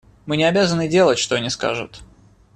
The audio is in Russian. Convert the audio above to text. Мы не обязаны делать, что они скажут.